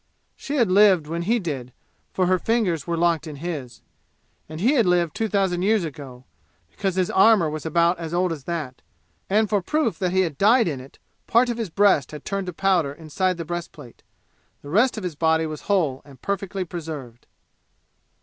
She had lived when he did, for her fingers were locked in his. And he had lived two thousand years ago, because his armor was about as old as that, and for proof that he had died in it part of his breast had turned to powder inside the breastplate. The rest of his body was whole and perfectly preserved.